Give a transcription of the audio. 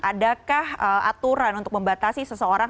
adakah aturan untuk membatasi seseorang